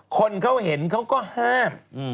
คนเขาเห็นเขาก็ห้าม